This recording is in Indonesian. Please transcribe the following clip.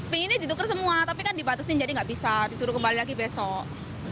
pinginnya ditukar semua tapi kan dibatasi jadi nggak bisa disuruh kembali lagi besok